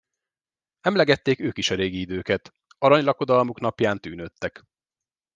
Emlegették ők is a régi időket, aranylakodalmuk napján tűnődtek.